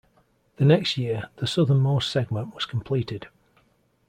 The next year, the southern-most segment was completed.